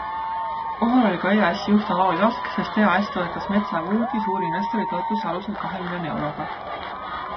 Kohal oli ka EAS-i juht Alo Ivask, sest EAS toetas Metsä Woodi suurinvstori toetuse alusel kahe miljoni euroga.